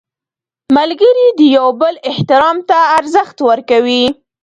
ملګری د یو بل احترام ته ارزښت ورکوي